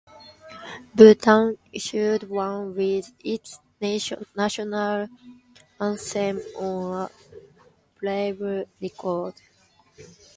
Bhutan issued one with its national anthem on a playable record.